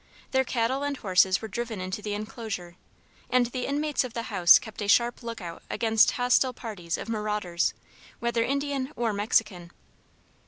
Their cattle and horses were driven into the enclosure, and the inmates of the house kept a sharp lookout against hostile parties of marauders, whether Indian or Mexican.